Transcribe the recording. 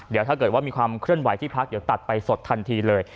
เดี๋ยวถ้าเกิดว่ามีความเคลื่อนไหวที่พักเดี๋ยวตัดไปสดทันทีเลย